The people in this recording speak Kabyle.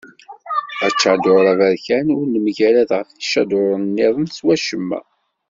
Aččadur aberkan ur nemgarad ɣef yiččaduren niḍen s wacemma.